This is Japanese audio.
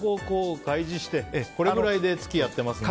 これぐらいで月やっているかを。